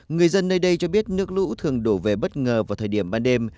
người dân nơi đây cho biết nước lũ thường đổ về bất ngờ vào thời điểm ban đêm